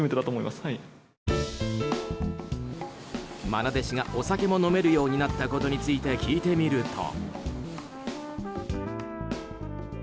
まな弟子がお酒も飲めるようになったことについて聞いてみると。